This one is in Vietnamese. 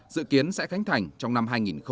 dự kiến sẽ khánh thành trong năm hai nghìn hai mươi